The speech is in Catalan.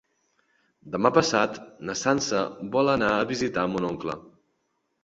Demà passat na Sança vol anar a visitar mon oncle.